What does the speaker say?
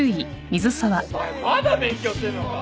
お前まだ勉強してんのか？